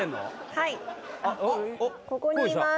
はいここにいます